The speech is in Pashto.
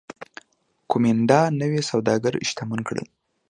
کومېنډا نوي سوداګر شتمن کړل